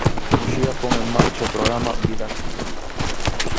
Muxía pon en marcha o programa "vida activa".